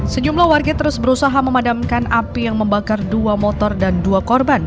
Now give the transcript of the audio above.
sejumlah warga terus berusaha memadamkan api yang membakar dua motor dan dua korban